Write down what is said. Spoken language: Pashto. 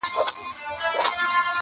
لوبي له لمبو سره بل خوند لري٫